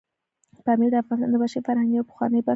پامیر د افغانستان د بشري فرهنګ یوه پخوانۍ برخه ده.